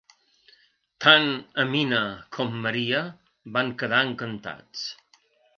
Tant Aminah com Maria van quedar encantats.